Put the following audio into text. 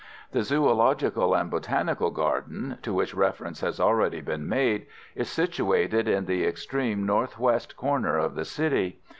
The zoological and botanical garden, to which reference has already been made, is situated in the extreme north west corner of the city.